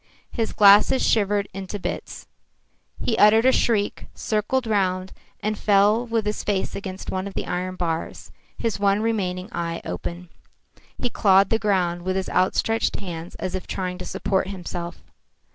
His glasses shivered into bits. He uttered a shriek, circled round, and fell with his face against one of the iron bars, his one remaining eye wide open. He clawed the ground with his outstretched hands as if trying to support himself.